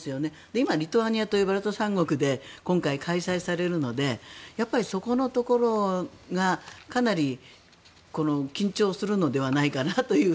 今、リトアニアとバルト三国で今回、開催されるのでそこのところがかなり緊張するのではないかなと。